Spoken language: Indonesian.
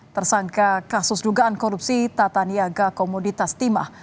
tersangka kasus dugaan korupsi tata niaga komoditas timah